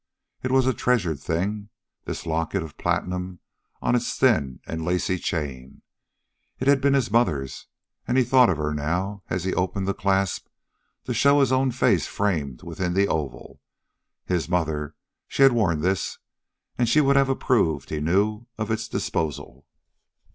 It was a treasured thing, this locket of platinum on its thin and lacy chain; it had been his mother's, and he thought of her now as he opened the clasp to show his own face framed within the oval. His mother she had worn this. And she would have approved, he knew, of its disposal.